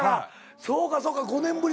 そうかそうか５年ぶり。